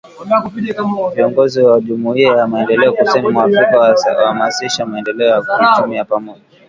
Viongozi wa Jumuiya ya Maendeleo Kusini mwa Afrika wahamasisha maendeleo ya kiuchumi ya pamoja